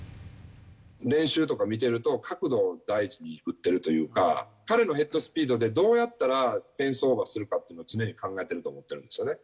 練習とか見てると、角度を大事に打ってるというか、彼のヘッドスピードでどうやったらフェンスオーバーするかというのを常に考えていると思ってるんですね。